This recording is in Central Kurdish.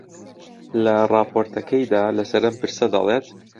لە ڕاپۆرتەکەیدا لەسەر ئەم پرسە دەڵێت: